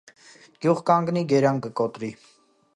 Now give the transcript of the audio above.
Գյուղ կանգնի՝ գերան կկոտրի: